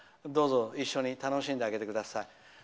どうぞ一緒に楽しんであげてください。